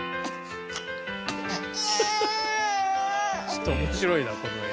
ちょっと面白いなこの画。